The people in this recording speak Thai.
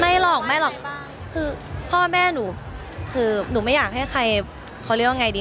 ไม่หรอกไม่หรอกคือพ่อแม่หนูคือหนูไม่อยากให้ใครเขาเรียกว่าไงดี